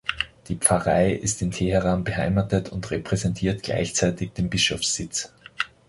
Die Pfarrei ist in Teheran beheimatet und repräsentiert gleichzeitig den Bischofssitz.